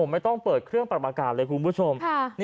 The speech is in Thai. ไม่ต้องเปิดเครื่องปรับอากาศเลยคุณผู้ชม